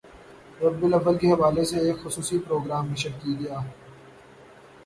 ربیع الاوّل کے حوالے سے ایک خصوصی پروگرام نشر کی گیا